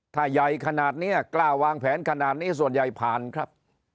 ถ้าใหญ่ขนาดนี้กล้าวางแผนขนาดนี้ส่วนใหญ่ผ่านครับ